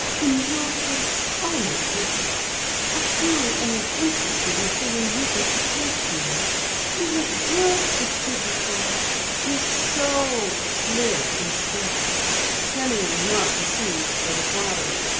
In your case, I'll not take it. I truly am interested in seeing you get your coat, dearie. You have just the figure for it, you're so slim and svelte." Penny was not deceived by the flattery.